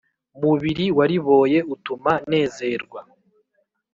Mubiri wariboye utuma nezerwa